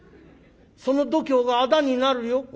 その度胸があだになるよ」。